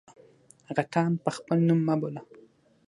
_غټان په خپل نوم مه بوله!